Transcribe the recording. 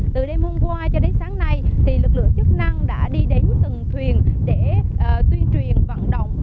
từ đêm hôm qua cho đến sáng nay lực lượng chức năng đã đi đến từng thuyền để tuyên truyền vận động